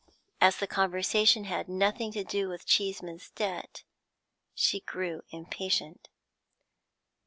As the conversation had nothing to do with Cheeseman's debt, she grew impatient.